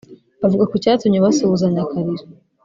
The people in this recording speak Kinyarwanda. Avuga ku cyatumye basuhuzanya akarira